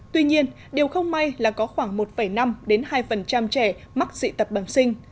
tuy nhiên điều không may là có khoảng một năm hai trẻ mắc dị tật bẩm sinh